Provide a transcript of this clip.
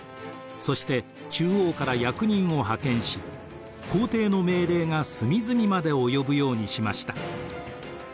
そして中央から役人を派遣し皇帝の命令が隅々まで及ぶようにしました。